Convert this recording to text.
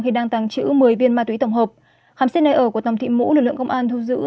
khi đang tăng chữ một mươi viên ma túy tổng hợp khám xét nơi ở của tòm thị mũ lực lượng công an thu giữ